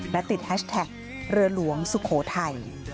และติดแฮชแท็กเรือหลวงสุโขทัย